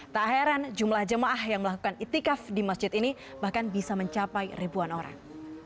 tak heran jumlah jemaah yang melakukan itikaf di masjid ini bahkan bisa mencapai ribuan orang